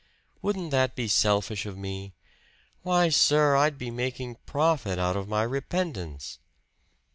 Wouldn't that be selfish of me? Why, sir, I'd be making profit out of my repentance!"